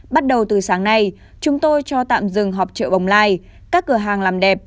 bắt đầu từ sáng nay chúng tôi cho tạm dừng họp chợ bồng lai các cửa hàng làm đẹp